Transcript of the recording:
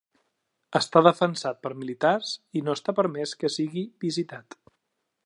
Està defensat per militars i no està permès que sigui visitat.